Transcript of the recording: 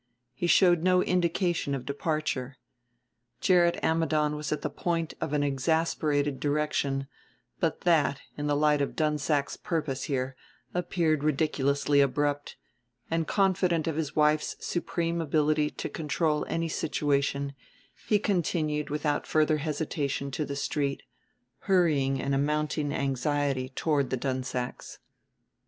He showed no indication of departure. Gerrit Ammidon was at the point of an exasperated direction; but that, in the light of Dunsack's purpose there, appeared ridiculously abrupt; and confident of his wife's supreme ability to control any situation he continued without further hesitation to the street, hurrying in a mounting anxiety toward the Dunsacks'.